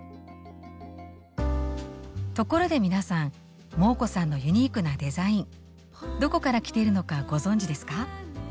ところで皆さんモー子さんのユニークなデザインどこからきているのかご存じですか？